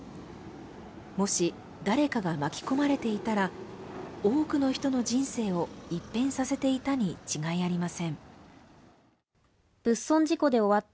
もし誰かが巻き込まれていたら、多くの人の人生を一変させていたに違いありません。